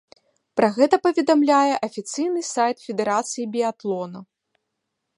Пра гэта паведамляе афіцыйны сайт федэрацыі біятлона.